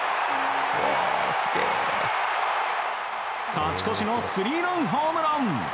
勝ち越しのスリーランホームラン！